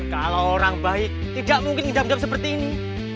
kalau orang baik tidak mungkin ngidam ngidam seperti ini